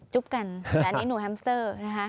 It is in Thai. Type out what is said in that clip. จุ๊บกันแล้วนี่หนูแฮมสเตอร์นะคะ